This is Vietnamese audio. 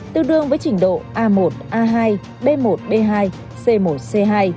tương đương với trình độ a một a hai b một b hai c một c hai